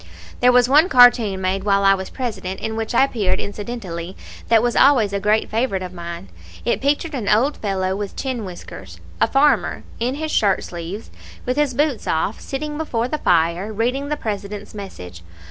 There was one cartoon made while I was President, in which I appeared incidentally, that was always a great favorite of mine. It pictured an old fellow with chin whiskers, a farmer, in his shirt sleeves, with his boots off, sitting before the fire, reading the President's Message.